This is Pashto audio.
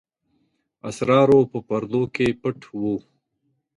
اسرارو په پردو کې پټ وو.